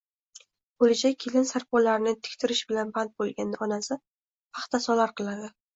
bo’lajak kelin sarpolarini tiktirish bilan band bo’lganda onasi «paxta solar» qiladi.